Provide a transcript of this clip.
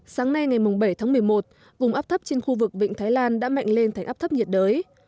sáng nay ngày bảy tháng một mươi một vùng áp thấp trên khu vực vịnh thái lan đã mạnh lên thành áp thấp nhiệt đới